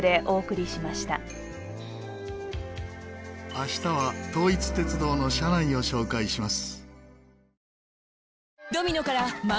明日は統一鉄道の車内を紹介します。